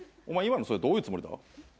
お前今のそれどういうつもりだ？